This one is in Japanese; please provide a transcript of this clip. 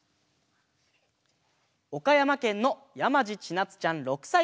おかやまけんのやまじちなつちゃん６さいから。